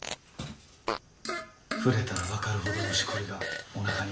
触れたら分かるほどのしこりがおなかにある。